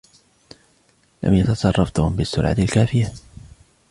لم يتصرف توم بالسرعة الكافية.